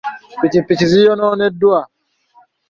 Ppikipiki ziyonooneddwa.